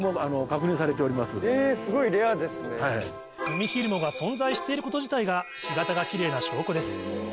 ウミヒルモが存在していること自体が干潟が奇麗な証拠です。